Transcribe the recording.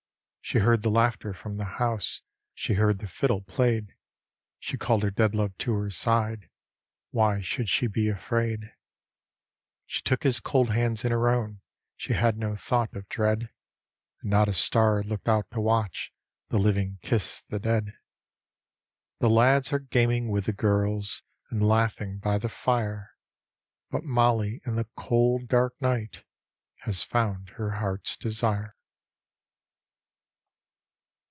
She heard the laughter fFom the house, she heard the fiddle played; She called her dead love to her side — ^why should she be afraid ? She took his cold hands in her own, she had no thought of dread, And not a star looked out to watch the living kiss die dead. The lads are gaming with the girls, and laughing by the fire. But Mollie in the cold, dark nig^t, has found her heart's denre.